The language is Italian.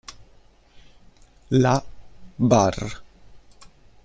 La Barre